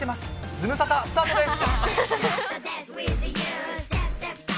ズムサタ、スタートです。